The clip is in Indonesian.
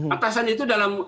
atasan itu dalam